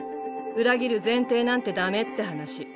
裏切る前提なんてダメって話。